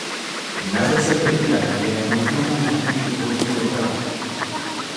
Na řece Pripjať je možno použít i vodní dopravu.